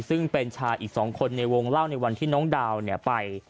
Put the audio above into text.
ซึ่งเป็นชายอีก๒คนในวงเล่าในวันที่น้องดาวไป